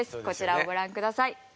こちらをご覧下さい。